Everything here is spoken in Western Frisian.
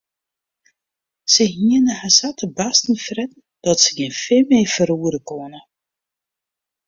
Se hiene har sa te barsten fretten dat se gjin fin mear ferroere koene.